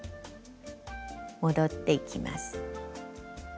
戻っていきます。